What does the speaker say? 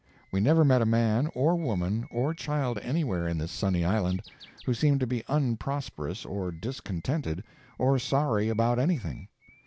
We never met a man, or woman, or child anywhere in this sunny island who seemed to be unprosperous, or discontented, or sorry about anything.